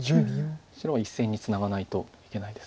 白は１線にツナがないといけないです。